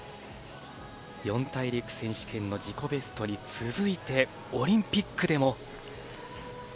四大陸選手権の自己ベストに続いてオリンピックでも。